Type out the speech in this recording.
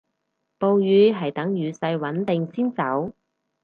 暴雨係等雨勢穩定先走